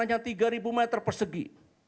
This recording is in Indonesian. tanahnya tiga ribu meter persegi